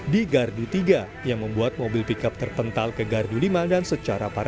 di gardu tiga yang membuat mobil pickup terpental ke gardu lima dan secara paralel